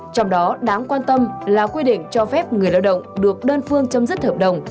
trong đó đáng quan tâm là quy định cho phép người lao động được đơn phương chấm dứt hợp đồng